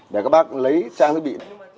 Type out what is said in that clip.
để các bác lấy trang thức bị